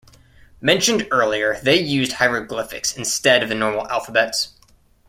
Mentioned earlier they used "hieroglyphics" instead of the normal alphabets.